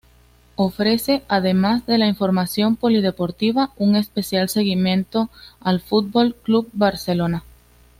Ofrece, además de la información polideportiva, un especial seguimiento al Fútbol Club Barcelona.